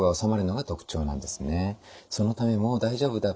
そのため「もう大丈夫だ」